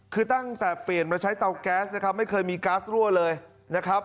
คือตั้งแต่เปลี่ยนมาใช้เตาแก๊สนะครับไม่เคยมีก๊าซรั่วเลยนะครับ